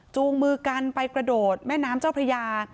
จูงมือกันไปกระโดดแม่น้ำเจ้าพระยา